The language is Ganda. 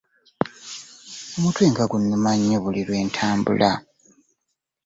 Omutwe nga gunuma nnyo buli wentambula.